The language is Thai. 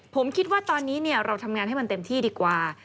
ผมคิดว่าตอนนี้เราทำงานให้มันเต็มที่ดีกว่า